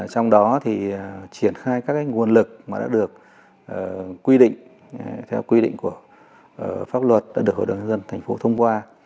trong đó thì triển khai các nguồn lực mà đã được quy định theo quy định của pháp luật đã được hội đồng nhân dân thành phố thông qua